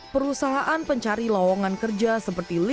perusahaan pencari lowongan kerja seperti liga